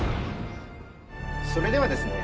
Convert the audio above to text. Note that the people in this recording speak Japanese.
それではですね